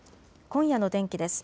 今夜の天気です。